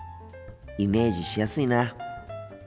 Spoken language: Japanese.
イメージしやすいな。